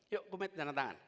yuk komit tanda tangan